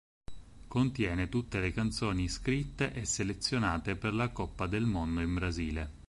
Contiene tutte le canzoni scritte e selezionate per la Coppa del Mondo in Brasile.